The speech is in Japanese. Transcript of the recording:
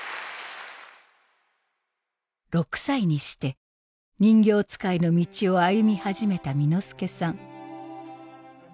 ６歳にして人形遣いの道を歩み始めた簑助さん。